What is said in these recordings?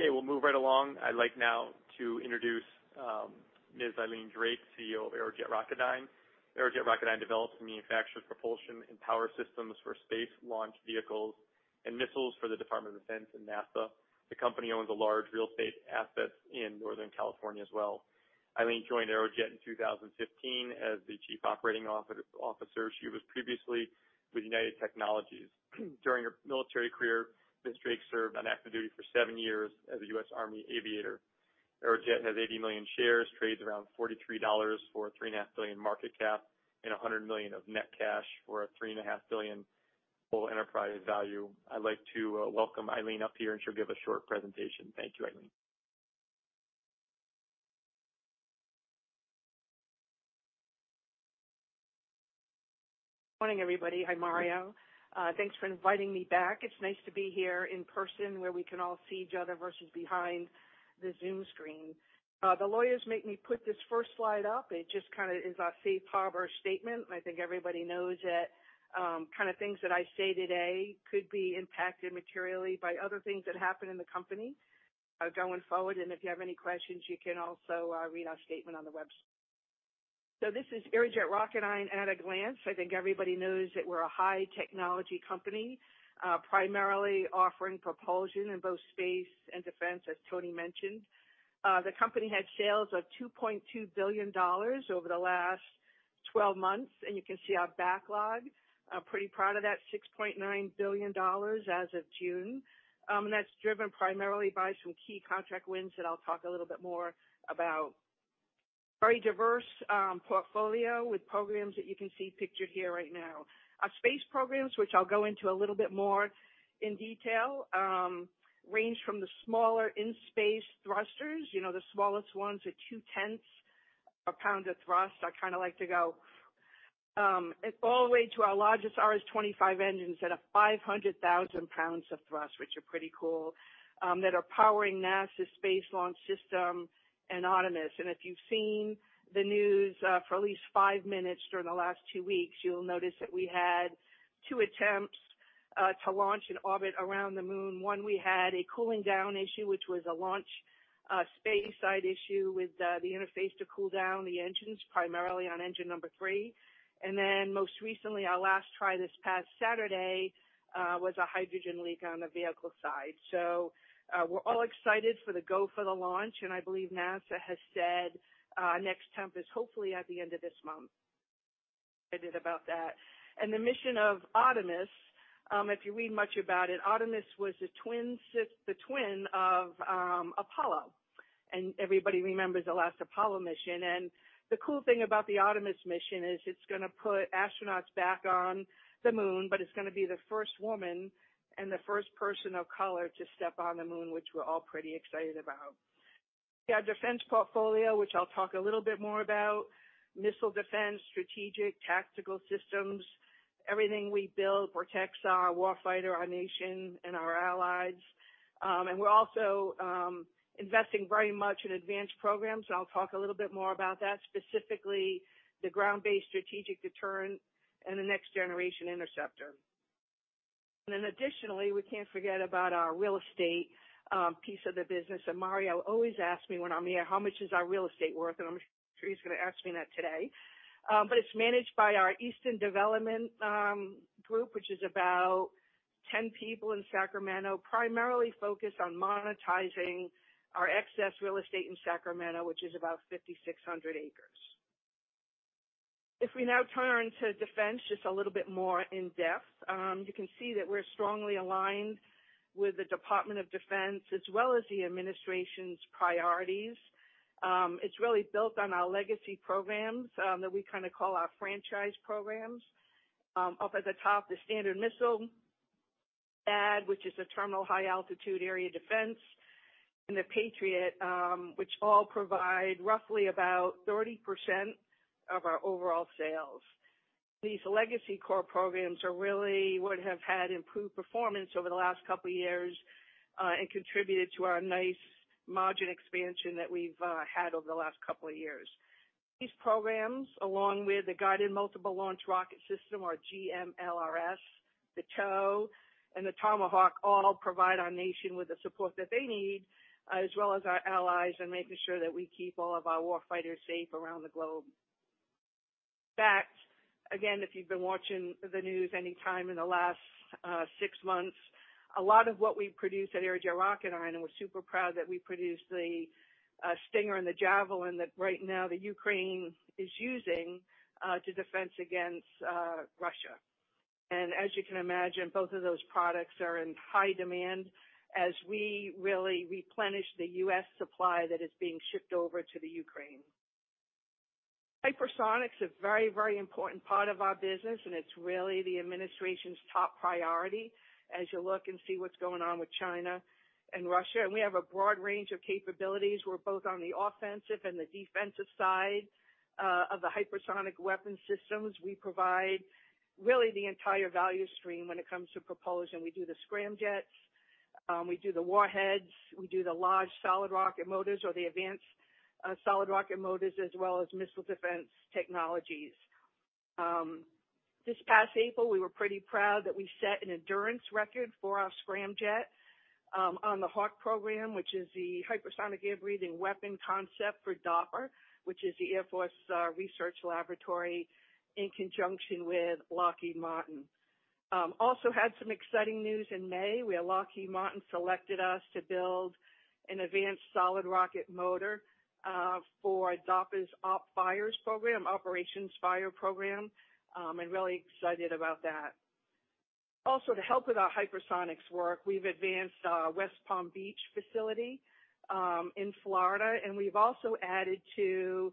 Okay, we'll move right along. I'd like now to introduce Ms. Eileen Drake, CEO of Aerojet Rocketdyne. Aerojet Rocketdyne develops and manufactures propulsion and power systems for space launch vehicles and missiles for the Department of Defense and NASA. The company owns a large real estate asset in Northern California as well. Eileen joined Aerojet in 2015 as the Chief Operating Officer. She was previously with United Technologies. During her military career, Ms. Drake served on active duty for seven years as a US Army aviator. Aerojet has 80 million shares, trades around $43 for a $3.5 billion market cap and $100 million of net cash for a $3.5 billion full enterprise value. I'd like to welcome Eileen up here, and she'll give a short presentation. Thank you, Eileen. Morning, everybody. Hi, Mario. Thanks for inviting me back. It's nice to be here in person where we can all see each other versus behind the Zoom screen. The lawyers make me put this first slide up. It just kinda is our safe harbor statement. I think everybody knows that, kinda things that I say today could be impacted materially by other things that happen in the company, going forward. If you have any questions, you can also read our statement on the web. This is Aerojet Rocketdyne at a glance. I think everybody knows that we're a high technology company, primarily offering propulsion in both space and defense, as Tony mentioned. The company had sales of $2.2 billion over the last 12 months, and you can see our backlog. I'm pretty proud of that $6.9 billion as of June. That's driven primarily by some key contract wins that I'll talk a little bit more about. Very diverse portfolio with programs that you can see pictured here right now. Our space programs, which I'll go into a little bit more in detail, range from the smaller in-space thrusters, you know, the smallest ones are 0.2 pound of thrust. I kinda like to go all the way to our largest RS-25 engines that have 500,000 pounds of thrust, which are pretty cool, that are powering NASA's Space Launch System and Artemis. If you've seen the news for at least five minutes during the last two weeks, you'll notice that we had two attempts to launch an orbit around the moon. One, we had a cooling down issue, which was a launch space side issue with the interface to cool down the engines, primarily on engine number 3. Then most recently, our last try this past Saturday was a hydrogen leak on the vehicle side. We're all excited for the go for the launch, and I believe NASA has said next attempt is hopefully at the end of this month. Excited about that. The mission of Artemis, if you read much about it, Artemis was the twin of Apollo, and everybody remembers the last Apollo mission. The cool thing about the Artemis mission is it's gonna put astronauts back on the moon, but it's gonna be the first woman and the first person of color to step on the moon, which we're all pretty excited about. Our defense portfolio, which I'll talk a little bit more about. Missile defense, strategic, tactical systems. Everything we build protects our war fighter, our nation, and our allies. We're also investing very much in advanced programs. I'll talk a little bit more about that, specifically the Ground-Based Strategic Deterrent and the Next Generation Interceptor. We can't forget about our real estate piece of the business. Mario always asks me when I'm here, "How much is our real estate worth?" I'm sure he's gonna ask me that today. It's managed by our Easton Development Company, which is about 10 people in Sacramento, primarily focused on monetizing our excess real estate in Sacramento, which is about 5,600 acres. If we now turn to defense just a little bit more in-depth, you can see that we're strongly aligned with the Department of Defense, as well as the administration's priorities. It's really built on our legacy programs that we kinda call our franchise programs. Up at the top, the Standard Missile, THAAD, which is a Terminal High Altitude Area Defense, and the Patriot, which all provide roughly 30% of our overall sales. These legacy core programs are really what have had improved performance over the last couple years and contributed to our nice margin expansion that we've had over the last couple of years. These programs, along with the Guided Multiple Launch Rocket System or GMLRS, the TOW, and the Tomahawk, all provide our nation with the support that they need, as well as our allies in making sure that we keep all of our war fighters safe around the globe. That, again, if you've been watching the news any time in the last six months, a lot of what we produce at Aerojet Rocketdyne, and we're super proud that we produce the Stinger and the Javelin that right now the Ukraine is using to defend against Russia. As you can imagine, both of those products are in high demand as we really replenish the U.S. supply that is being shipped over to the Ukraine. Hypersonic is a very, very important part of our business, and it's really the administration's top priority as you look and see what's going on with China and Russia. We have a broad range of capabilities. We're both on the offensive and the defensive side of the hypersonic weapons systems. We provide really the entire value stream when it comes to propulsion. We do the scramjets. We do the warheads. We do the large solid rocket motors or the advanced solid rocket motors, as well as missile defense technologies. This past April, we were pretty proud that we set an endurance record for our scramjet on the HAWC program, which is the Hypersonic Air-breathing Weapon Concept for DARPA with the Air Force Research Laboratory, in conjunction with Lockheed Martin. Also had some exciting news in May, where Lockheed Martin selected us to build an advanced solid rocket motor for DARPA's OpFires program, Operational Fires program. I'm really excited about that. Also, to help with our hypersonics work, we've advanced our West Palm Beach facility in Florida, and we've also added to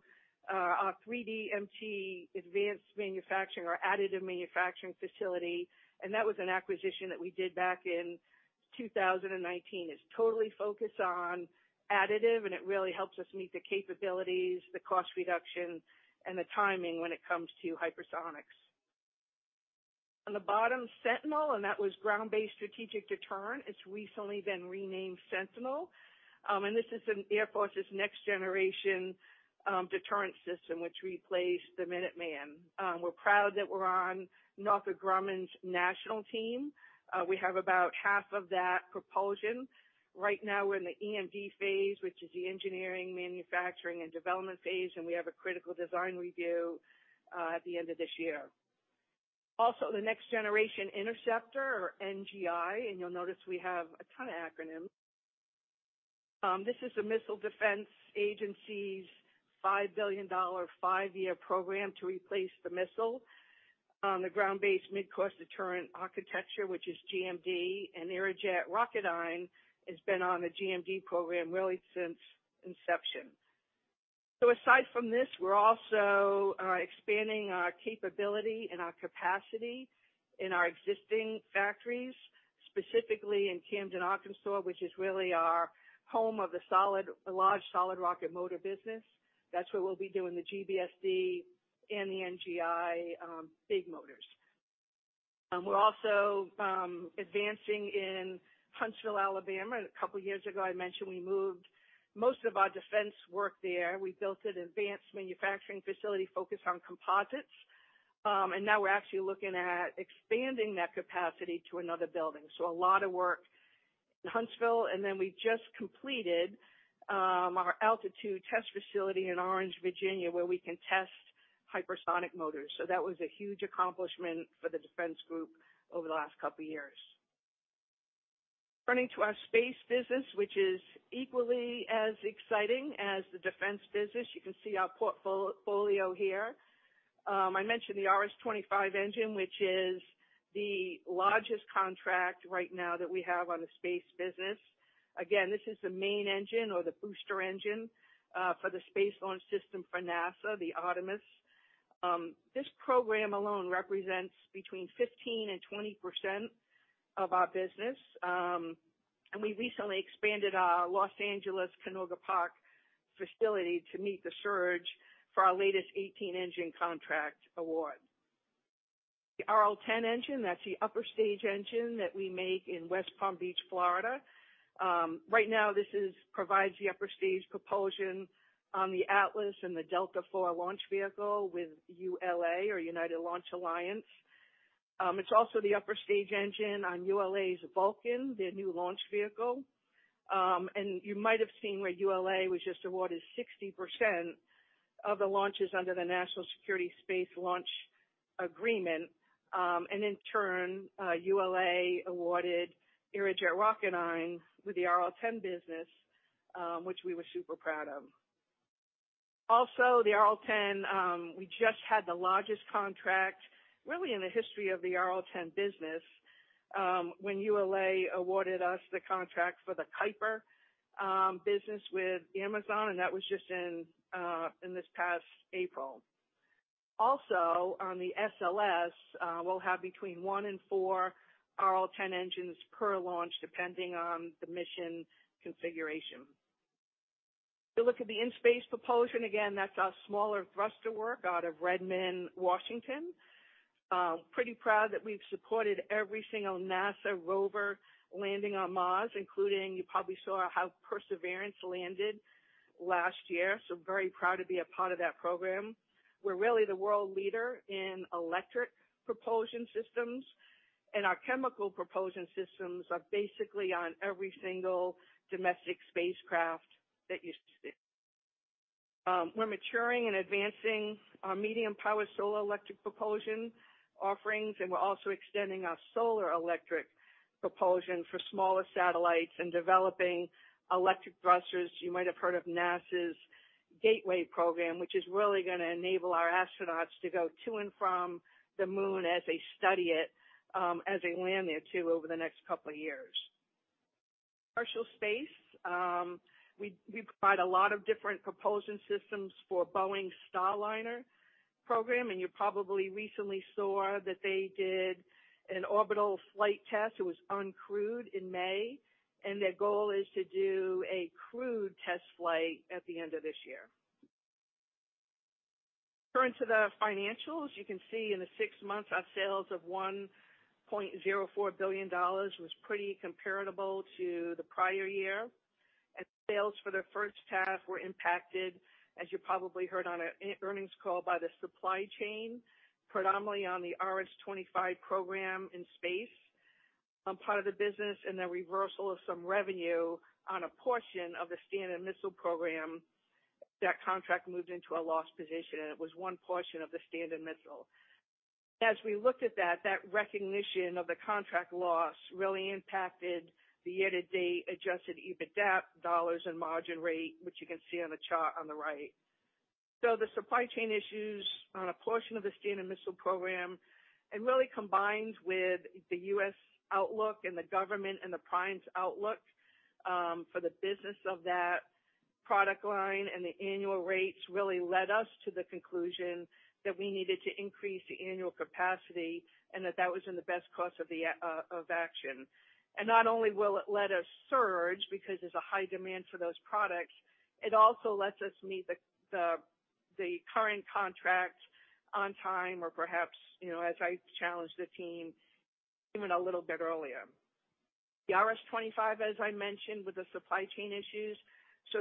our 3DMT advanced manufacturing or additive manufacturing facility. That was an acquisition that we did back in 2019. It's totally focused on additive, and it really helps us meet the capabilities, the cost reduction, and the timing when it comes to hypersonics. On the bottom, Sentinel, and that was Ground-Based Strategic Deterrent. It's recently been renamed Sentinel. This is the Air Force's next generation deterrent system, which replaced the Minuteman. We're proud that we're on Northrop Grumman's national team. We have about half of that propulsion. Right now, we're in the EMD phase, which is the engineering, manufacturing, and development phase, and we have a critical design review at the end of this year. The Next Generation Interceptor, or NGI, and you'll notice we have a ton of acronyms. This is the Missile Defense Agency's $5 billion five-year program to replace the missile on the Ground-Based Midcourse Defense architecture, which is GMD. Aerojet Rocketdyne has been on the GMD program really since inception. Aside from this, we're also expanding our capability and our capacity in our existing factories, specifically in Camden, Arkansas, which is really our home of the solid, large solid rocket motor business. That's where we'll be doing the GBSD and the NGI big motors. We're also advancing in Huntsville, Alabama. A couple years ago, I mentioned we moved most of our defense work there. We built an advanced manufacturing facility focused on composites. Now we're actually looking at expanding that capacity to another building. A lot of work in Huntsville. We just completed our altitude test facility in Orange, Virginia, where we can test hypersonic motors. That was a huge accomplishment for the defense group over the last couple years. Turning to our space business, which is equally as exciting as the defense business. You can see our portfolio here. I mentioned the RS-25 engine, which is the largest contract right now that we have on the space business. Again, this is the main engine or the booster engine for the Space Launch System for NASA, the Artemis. This program alone represents between 15% and 20% of our business. We recently expanded our Los Angeles Canoga Park facility to meet the surge for our latest 18-engine contract award. The RL10 engine, that's the upper stage engine that we make in West Palm Beach, Florida. Right now this provides the upper stage propulsion on the Atlas and the Delta IV launch vehicle with ULA or United Launch Alliance. It's also the upper stage engine on ULA's Vulcan, their new launch vehicle. You might have seen where ULA was just awarded 60% of the launches under the National Security Space Launch Agreement. In turn, ULA awarded Aerojet Rocketdyne with the RL10 business, which we were super proud of. The RL10, we just had the largest contract really in the history of the RL10 business, when ULA awarded us the contract for the Kuiper business with Amazon, and that was just in this past April. On the SLS, we'll have between 1 and 4 RL10 engines per launch, depending on the mission configuration. If you look at the in-space propulsion, again, that's our smaller thruster work out of Redmond, Washington. Pretty proud that we've supported every single NASA rover landing on Mars, including you probably saw how Perseverance landed last year. Very proud to be a part of that program. We're really the world leader in electric propulsion systems, and our chemical propulsion systems are basically on every single domestic spacecraft that you see. We're maturing and advancing our medium-power solar electric propulsion offerings, and we're also extending our solar electric propulsion for smaller satellites and developing electric thrusters. You might have heard of NASA's Gateway program, which is really gonna enable our astronauts to go to and from the moon as they study it, as they land there too over the next couple of years. Commercial space, we provide a lot of different propulsion systems for Boeing's Starliner program, and you probably recently saw that they did an orbital flight test. It was uncrewed in May, and their goal is to do a crewed test flight at the end of this year. Turning to the financials, you can see in the six months our sales of $1.04 billion was pretty comparable to the prior year. Sales for the first half were impacted, as you probably heard on our earnings call, by the supply chain, predominantly on the RS-25 program in the space part of the business and the reversal of some revenue on a portion of the Standard Missile program. That contract moved into a loss position, and it was one portion of the Standard Missile. As we looked at that recognition of the contract loss really impacted the year-to-date adjusted EBITDAP dollars and margin rate, which you can see on the chart on the right. The supply chain issues on a portion of the Standard Missile program really combine with the U.S. outlook and the government and the primes outlook for the business of that product line. The annual rates really led us to the conclusion that we needed to increase the annual capacity and that was in the best course of action. Not only will it let us surge because there's a high demand for those products, it also lets us meet the current contracts on time or perhaps, you know, as I challenged the team even a little bit earlier. The RS-25, as I mentioned, with the supply chain issues.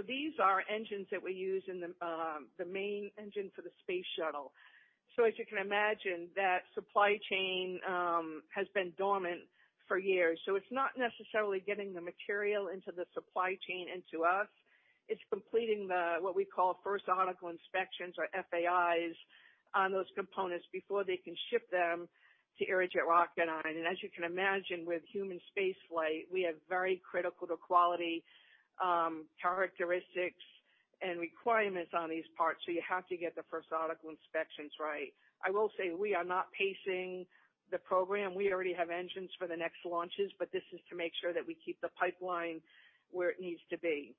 These are engines that we use in the main engine for the space shuttle. As you can imagine, that supply chain has been dormant for years. It's not necessarily getting the material into the supply chain and to us, it's completing what we call first article inspections or FAIs on those components before they can ship them to Aerojet Rocketdyne. As you can imagine, with human spaceflight, we have very critical to quality characteristics and requirements on these parts, so you have to get the first article inspections right. I will say we are not pacing the program. We already have engines for the next launches, but this is to make sure that we keep the pipeline where it needs to be.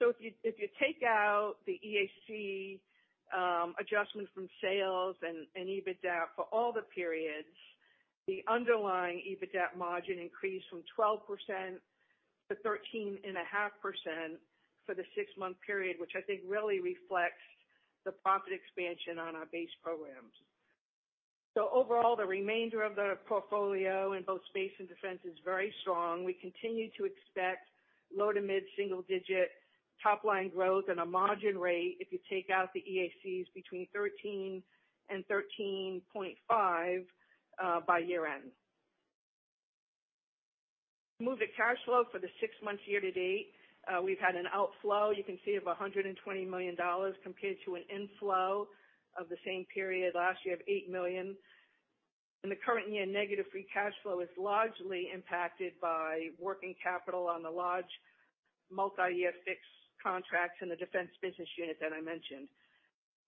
If you take out the EAC adjustment from sales and EBITDAP for all the periods, the underlying EBITDAP margin increased from 12%-13.5% for the six-month period, which I think really reflects the profit expansion on our base programs. Overall, the remainder of the portfolio in both space and defense is very strong. We continue to expect low- to mid-single-digit top line growth and a margin rate if you take out the EACs between 13% and 13.5% by year-end. Moving to cash flow for the six months year to date, we've had an outflow, you can see, of $120 million compared to an inflow of the same period last year of $8 million. In the current year, negative free cash flow is largely impacted by working capital on the large multi-year fixed contracts in the defense business unit that I mentioned.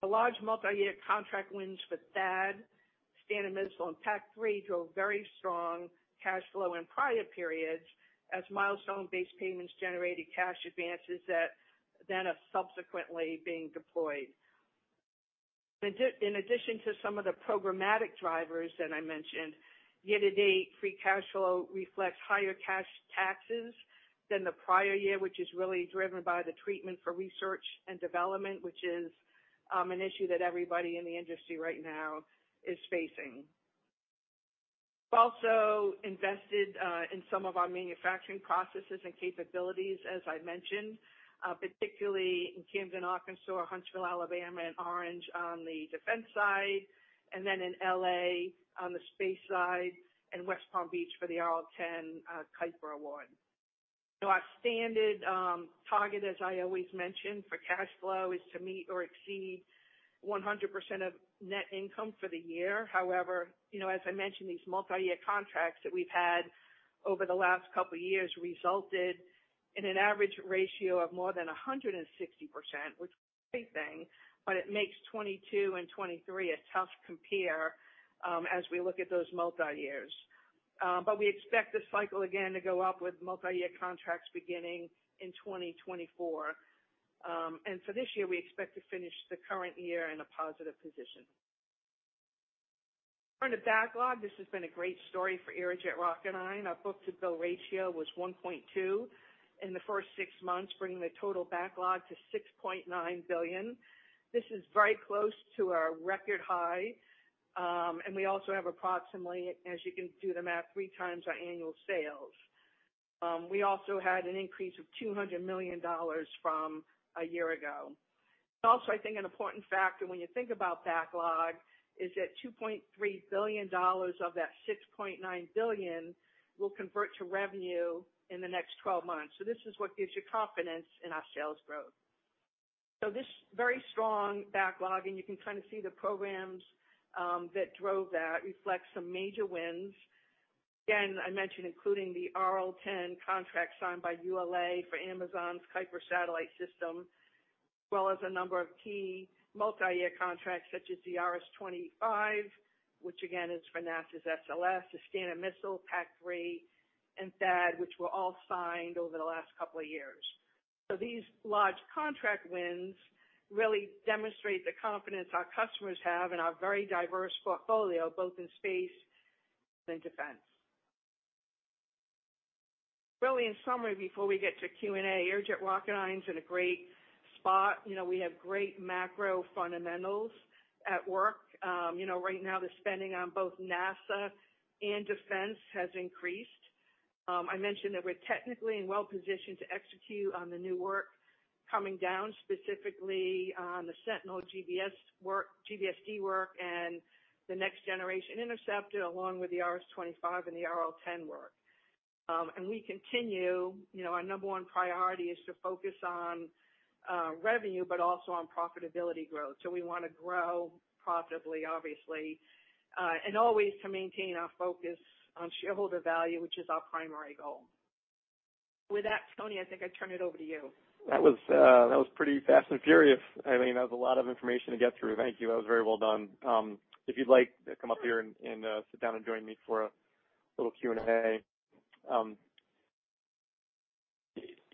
The large multi-year contract wins for THAAD, Standard Missile and PAC-3 drove very strong cash flow in prior periods as milestone-based payments generated cash advances that are subsequently being deployed. In addition to some of the programmatic drivers that I mentioned, year-to-date, free cash flow reflects higher cash taxes than the prior year, which is really driven by the treatment for research and development, which is an issue that everybody in the industry right now is facing. Also invested in some of our manufacturing processes and capabilities, as I mentioned, particularly in Camden, Arkansas, Huntsville, Alabama, and Orange on the defense side, and then in LA on the space side, and West Palm Beach for the RL10 Kuiper award. Our standard target, as I always mention, for cash flow, is to meet or exceed 100% of net income for the year. However, you know, as I mentioned, these multi-year contracts that we've had over the last couple of years resulted in an average ratio of more than 160%, which is a great thing, but it makes 2022 and 2023 a tough compare, as we look at those multi-years. We expect this cycle again to go up with multi-year contracts beginning in 2024. For this year, we expect to finish the current year in a positive position. On the backlog, this has been a great story for Aerojet Rocketdyne. Our book-to-bill ratio was 1.2 in the first six months, bringing the total backlog to $6.9 billion. This is very close to our record high, and we also have approximately, as you can do the math, three times our annual sales. We also had an increase of $200 million from a year ago. Also, I think an important factor when you think about backlog is that $2.3 billion of that $6.9 billion will convert to revenue in the next 12 months. This is what gives you confidence in our sales growth. This very strong backlog, and you can kind of see the programs that drove that, reflects some major wins. Again, I mentioned including the RL10 contract signed by ULA for Amazon's Kuiper satellite system, as well as a number of key multi-year contracts such as the RS-25, which again is for NASA's SLS, the Standard Missile, PAC-3, and THAAD, which were all signed over the last couple of years. These large contract wins really demonstrate the confidence our customers have in our very diverse portfolio, both in space and defense. Really in summary, before we get to Q&A, Aerojet Rocketdyne is in a great spot, you know, we have great macro fundamentals at work. You know, right now the spending on both NASA and defense has increased. I mentioned that we're technically and well positioned to execute on the new work coming down, specifically on the Sentinel GBSD work, GBSD work, and the Next Generation Interceptor, along with the RS-25 and the RL10 work. We continue, you know, our number one priority is to focus on revenue, but also on profitability growth. We wanna grow profitably, obviously, and always to maintain our focus on shareholder value, which is our primary goal. With that, Tony, I think I turn it over to you. That was pretty fast and furious. I mean, that was a lot of information to get through. Thank you. That was very well done. If you'd like to come up here and sit down and join me for a little Q&A.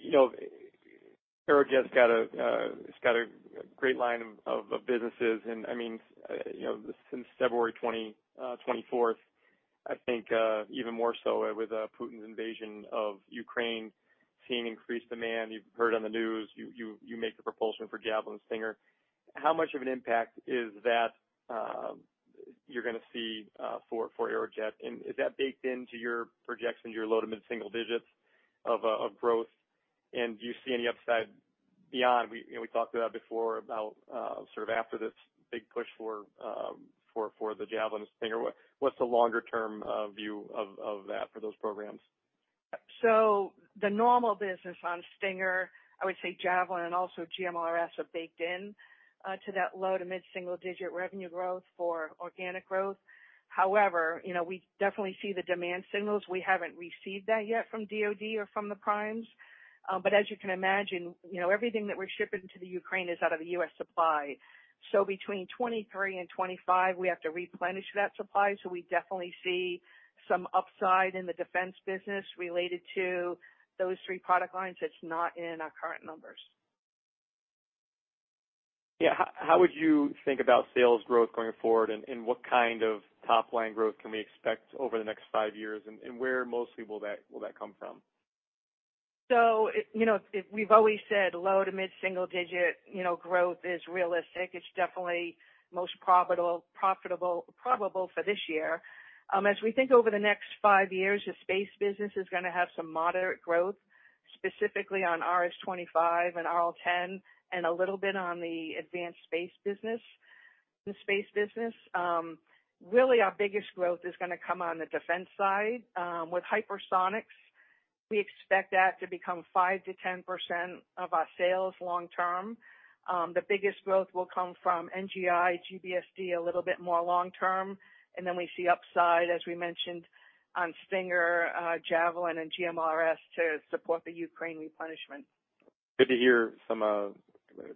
You know, Aerojet's got a great line of businesses. I mean, you know, since February 24, I think, even more so with Putin's invasion of Ukraine, seeing increased demand. You've heard on the news, you make the propulsion for Javelin and Stinger. How much of an impact is that you're gonna see for Aerojet? And is that baked into your projections, your low- to mid-single digits of growth? And do you see any upside beyond? You know, we talked about before sort of after this big push for the Javelin and Stinger. What's the longer term view of that for those programs? The normal business on Stinger, I would say Javelin and also GMLRS are baked in to that low to mid-single digit revenue growth for organic growth. However, you know, we definitely see the demand signals. We haven't received that yet from DoD or from the primes. As you can imagine, you know, everything that we're shipping to the Ukraine is out of the US supply. Between 2023 and 2025, we have to replenish that supply. We definitely see some upside in the defense business related to those three product lines that's not in our current numbers. Yeah. How would you think about sales growth going forward and what kind of top line growth can we expect over the next five years? Where mostly will that come from? You know, we've always said low- to mid-single-digit, you know, growth is realistic. It's definitely most profitable probable for this year. As we think over the next 5 years, the space business is gonna have some moderate growth, specifically on RS-25 and RL10, and a little bit on the advanced space business. Really our biggest growth is gonna come on the defense side. With hypersonics, we expect that to become 5%-10% of our sales long term. The biggest growth will come from NGI, GBSD, a little bit more long term. Then we see upside, as we mentioned, on Stinger, Javelin and GMLRS to support the Ukraine replenishment. Good to hear some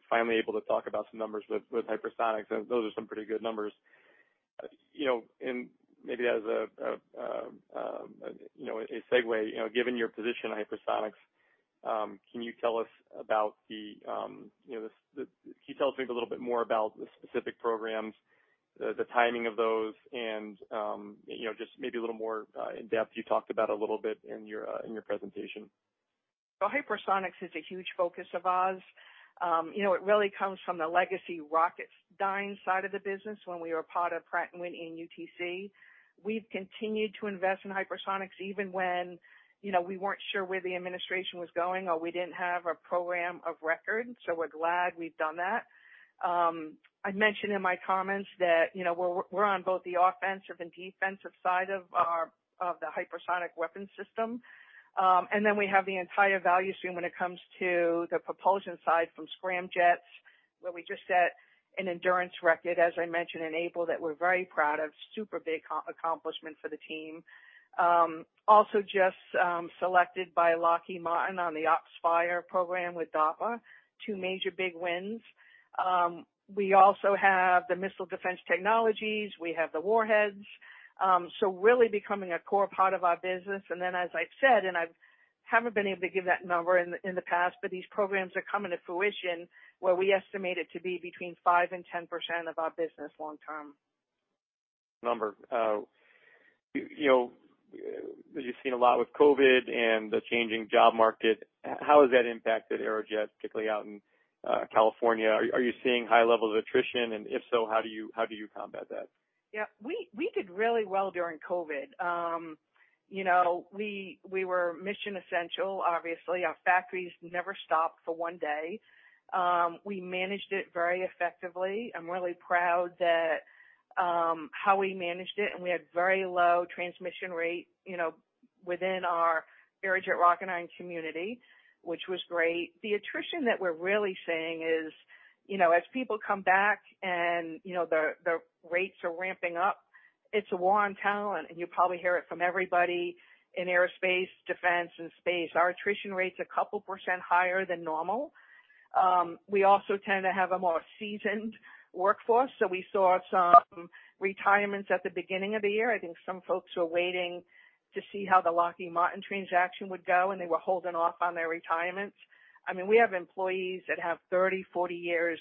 finally able to talk about some numbers with hypersonics. Those are some pretty good numbers. You know, maybe as a segue, you know, given your position on hypersonics, can you tell us maybe a little bit more about the specific programs, the timing of those, and you know, just maybe a little more in depth you talked about a little bit in your presentation? Hypersonics is a huge focus of ours. You know, it really comes from the legacy Rocketdyne side of the business when we were part of Pratt & Whitney and UTC. We've continued to invest in hypersonics even when, you know, we weren't sure where the administration was going or we didn't have a program of record. We're glad we've done that. I mentioned in my comments that, you know, we're on both the offensive and defensive side of the hypersonic weapons system. We have the entire value stream when it comes to the propulsion side from scramjets, where we just set an endurance record, as I mentioned, in April, that we're very proud of. Super big accomplishment for the team. Also just selected by Lockheed Martin on the OpFires program with DARPA, two major big wins. We also have the Missile Defense Technologies. We have the warheads. Really becoming a core part of our business. As I've said, I haven't been able to give that number in the past, but these programs are coming to fruition, where we estimate it to be between 5% and 10% of our business long term. You know, as you've seen a lot with COVID and the changing job market, how has that impacted Aerojet, particularly out in California? Are you seeing high levels of attrition? If so, how do you combat that? Yeah. We did really well during COVID. You know, we were mission essential, obviously. Our factories never stopped for one day. We managed it very effectively. I'm really proud that how we managed it, and we had very low transmission rate, you know, within our Aerojet Rocketdyne community, which was great. The attrition that we're really seeing is, you know, as people come back and, you know, the rates are ramping up, it's a war on talent, and you probably hear it from everybody in aerospace, defense and space. Our attrition rate's a couple% higher than normal. We also tend to have a more seasoned workforce, so we saw some retirements at the beginning of the year. I think some folks were waiting to see how the Lockheed Martin transaction would go, and they were holding off on their retirements. I mean, we have employees that have 30, 40 years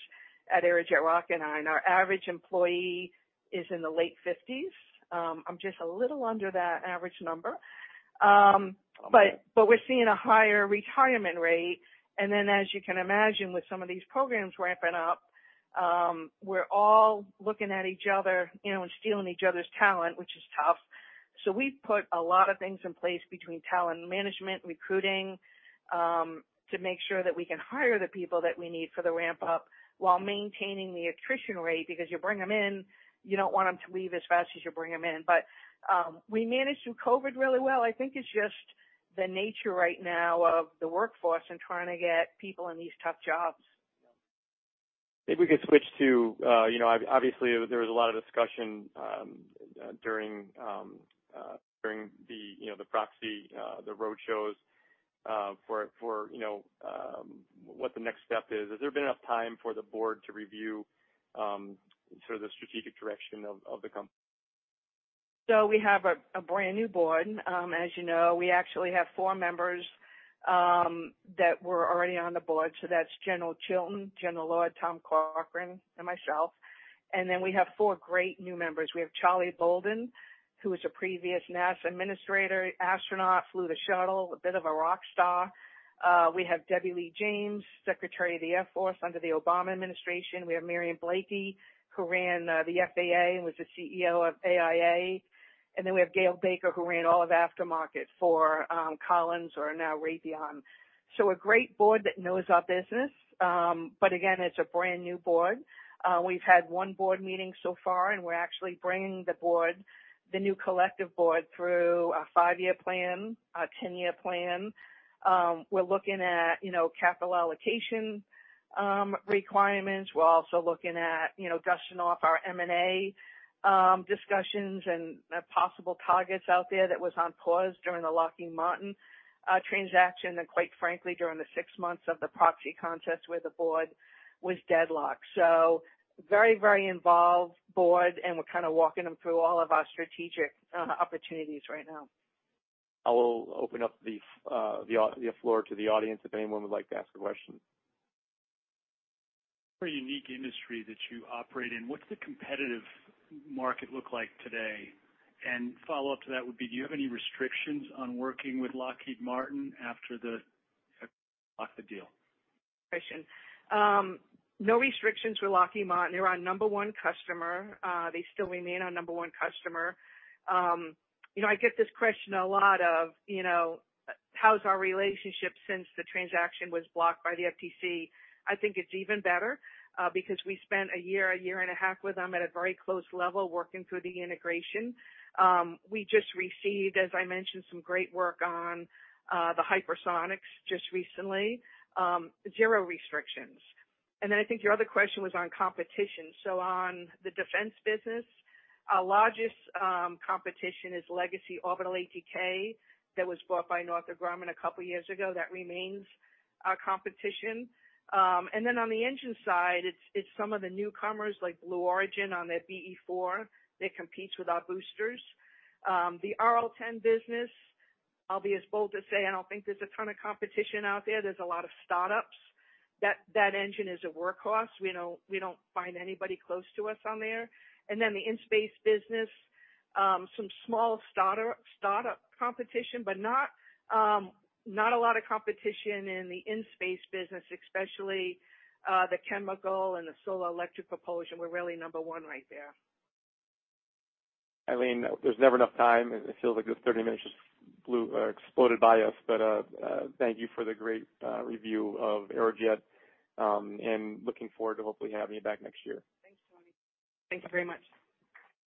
at Aerojet Rocketdyne. Our average employee is in the late fifties. I'm just a little under that average number. but we're seeing a higher retirement rate. As you can imagine, with some of these programs ramping up, we're all looking at each other, you know, and stealing each other's talent, which is tough. We've put a lot of things in place between talent management, recruiting, to make sure that we can hire the people that we need for the ramp-up while maintaining the attrition rate. Because you bring them in, you don't want them to leave as fast as you bring them in. We managed through COVID really well. I think it's just the nature right now of the workforce and trying to get people in these tough jobs. If we could switch to, you know, obviously, there was a lot of discussion during the, you know, the proxy, the roadshows, for, you know, what the next step is. Has there been enough time for the board to review, sort of the strategic direction of the company? We have a brand new board. As you know, we actually have 4 members that were already on the board. That's General Chilton, General Lord, Tom Corcoran, and myself. We have 4 great new members. We have Charlie Bolden, who is a previous NASA administrator, astronaut, flew the shuttle, a bit of a rock star. We have Debbie Lee James, Secretary of the Air Force under the Obama administration. We have Marion Blakey, who ran the FAA and was the CEO of AIA. We have Gail Baker, who ran all of aftermarket for Collins or now Raytheon. A great board that knows our business. Again, it's a brand new board. We've had 1 board meeting so far, and we're actually bringing the board, the new collective board, through a 5-year plan, a 10-year plan. We're looking at, you know, capital allocation requirements. We're also looking at, you know, dusting off our M&A discussions and possible targets out there that was on pause during the Lockheed Martin transaction, and quite frankly, during the six months of the proxy contest where the board was deadlocked. Very, very involved board, and we're kind of walking them through all of our strategic opportunities right now. I will open up the floor to the audience if anyone would like to ask a question. Very unique industry that you operate in. What's the competitive market look like today? Follow-up to that would be, do you have any restrictions on working with Lockheed Martin after the blocked the deal? Good question. No restrictions with Lockheed Martin. They're our number one customer. They still remain our number one customer. You know, I get this question a lot of, you know, how's our relationship since the transaction was blocked by the FTC? I think it's even better, because we spent a year, a year and a half with them at a very close level working through the integration. We just received, as I mentioned, some great work on the hypersonics just recently. Zero restrictions. I think your other question was on competition. On the defense business, our largest competition is Legacy Orbital ATK that was bought by Northrop Grumman a couple of years ago. That remains our competition. On the engine side, it's some of the newcomers like Blue Origin on their BE-4 that competes with our boosters. The RL10 business, I'll be as bold to say I don't think there's a ton of competition out there. There's a lot of startups. That engine is a workhorse. We don't find anybody close to us on there. The in-space business, some small startup competition, but not a lot of competition in the in-space business, especially the chemical and the solar electric propulsion. We're really number one right there. Eileen, there's never enough time. It feels like this 30 minutes just flew, exploded by us. Thank you for the great review of Aerojet, and looking forward to hopefully having you back next year. Thanks, Tony. Thank you very much.